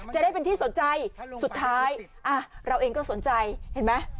จะได้เป็นที่สนใจสุดท้ายเราเองก็สนใจเห็นไหม